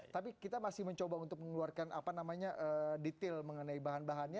tapi kita masih mencoba untuk mengeluarkan detail mengenai bahan bahannya